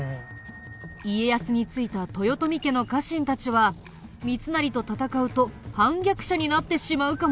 家康についた豊臣家の家臣たちは三成と戦うと反逆者になってしまうかもしれない。